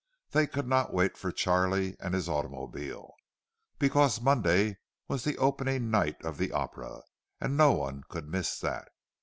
They could not wait for Charlie and his automobile, because Monday was the opening night of the Opera, and no one could miss that.